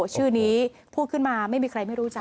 ชื่อนี้พูดขึ้นมาไม่มีใครไม่รู้จัก